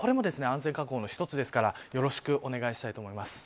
これも安全確保の一つなのでよろしくお願いしたいと思います。